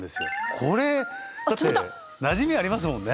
これだってなじみありますもんね。